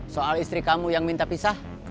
soal istri kamu yang minta pisah